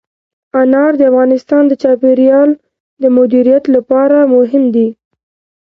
انار د افغانستان د چاپیریال د مدیریت لپاره مهم دي.